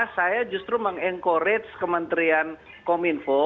saya justru meng encourage kementerian kominfo